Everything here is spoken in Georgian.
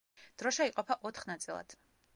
დროშა იყოფა ოთხ ნაწილად.